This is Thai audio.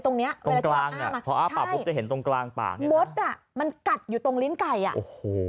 ตรงนี้ระยะตัวหน้ามาใช่มดน่ะมันกัดอยู่ตรงลิ้นไก่อ่ะโอ้โห